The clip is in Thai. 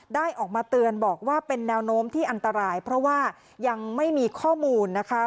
ออกมาเตือนบอกว่าเป็นแนวโน้มที่อันตรายเพราะว่ายังไม่มีข้อมูลนะคะ